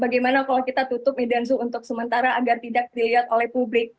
bagaimana kalau kita tutup medan zoo untuk sementara agar tidak dilihat oleh publik